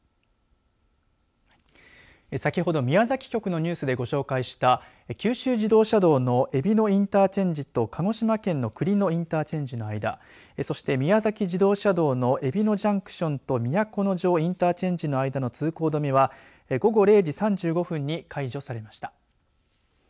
先ほど宮崎局のニュースでご紹介した九州自動車道のえびのインターチェンジと鹿児島県の栗野インターチェンジの間そして宮崎自動車道のえびのジャンクションと都城インターチェンジの間の通行止めは午後０時３５分に解除されました。